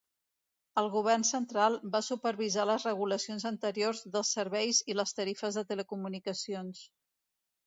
El govern central va supervisar les regulacions anteriors dels serveis i les tarifes de telecomunicacions.